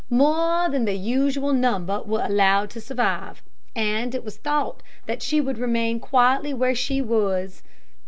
More than the usual number were allowed to survive, and it was thought that she would remain quietly where she was.